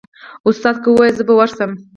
استاده که واياست زه به ورسم.